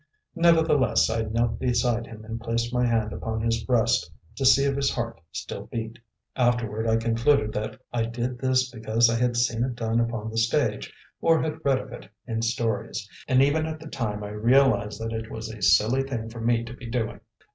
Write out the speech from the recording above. Nevertheless, I knelt beside him and placed my hand upon his breast to see if his heart still beat. Afterward I concluded that I did this because I had seen it done upon the stage, or had read of it in stories; and even at the time I realised that it was a silly thing for me to be doing.